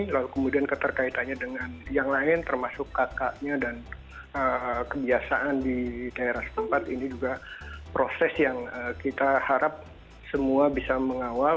lalu kemudian keterkaitannya dengan yang lain termasuk kakaknya dan kebiasaan di daerah setempat ini juga proses yang kita harap semua bisa mengawal